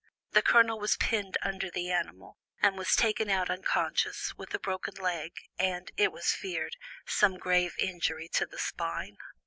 The Colonel was pinned under the animal, and was taken out unconscious, with a broken leg, and, it was feared, some grave injury to the spine.